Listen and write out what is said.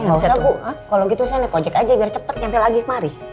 enggak usah bu kalau gitu saya nekojek aja biar cepet nyampe lagi mari